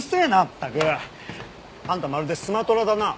ったく！あんたまるでスマトラだな。